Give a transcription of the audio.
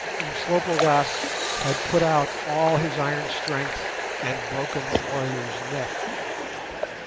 Umslopogaas had put out all his iron strength and broken the warrior's neck.